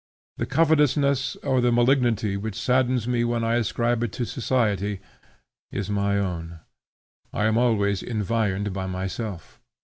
The covetousness or the malignity which saddens me when I ascribe it to society, is my own. I am always environed by myself.